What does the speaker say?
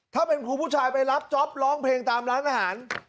ถ้าเป็นครูผู้ชายไปรับจ๊อปร้องเพลงตามร้านอาหาร